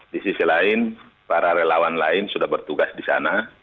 di sisi lain para relawan lain sudah bertugas di sana